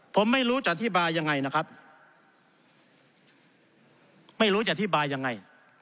ผมไม่รู้จะอธิบายยังไงนะครับไม่รู้จะอธิบายยังไง